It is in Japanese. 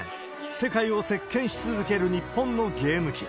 世界を席けんし続ける日本のゲーム機。